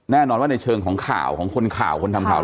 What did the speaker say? แน่นอนว่าในเชิงของข่าวของคนข่าวคนทำข่าว